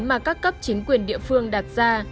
mà các cấp chính quyền địa phương đặt ra